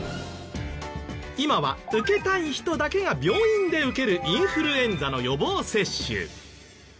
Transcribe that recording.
今は受けたい人だけが病院で受けるインフルエンザの予防接種。